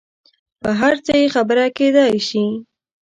پر هر څه یې خبره کېدای شي.